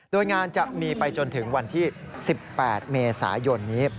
โดยงานจะมีไปจนถึงวันที่๑๘เมษายนนี้